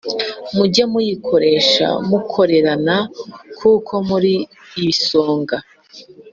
mujye muyikoresha mukorerana, kuko muri ibisonga